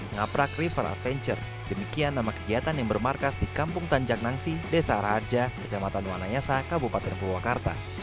ngaprak river adventure demikian nama kegiatan yang bermarkas di kampung tanjak nangsi desa raja kecamatan wanayasa kabupaten purwakarta